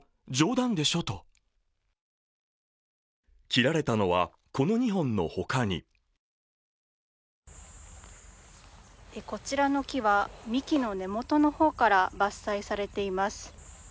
切られたのは、この２本の他にこちらの木は幹の根元の方から伐採されています。